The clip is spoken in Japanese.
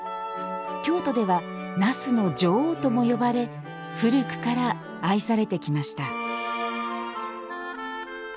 京都では、なすの女王とも呼ばれ古くから愛されてきました。